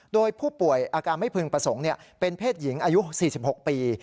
โดยผู้ป่วยอาการไม่พึงประสงค์เป็นเพศหญิงอายุ๔๖ปี